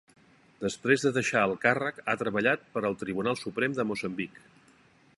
Després de deixar el càrrec ha treballat per al Tribunal Suprem de Moçambic.